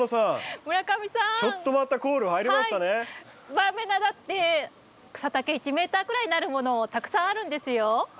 バーベナだって草丈１ｍくらいになるものたくさんあるんですよ。